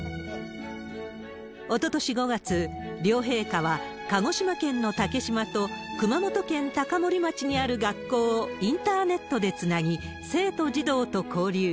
おととし５月、両陛下は鹿児島県の竹島と熊本県高森町にある学校をインターネットでつなぎ、生徒・児童と交流。